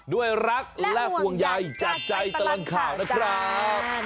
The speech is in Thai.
ด้วยรักและห่วงใยจากใจตลอดข่าวนะครับ